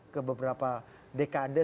ke beberapa dekade